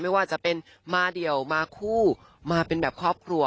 ไม่ว่าจะเป็นมาเดี่ยวมาคู่มาเป็นแบบครอบครัว